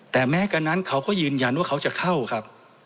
แต่แม้กันนั้นเขาก็ยืนยันว่าเขาจะเข้าครับ